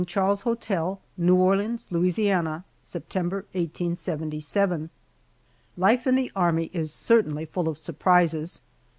CHARLES HOTEL, NEW ORLEANS, LOUISIANA, September, 1877. LIFE in the Army is certainly full of surprises!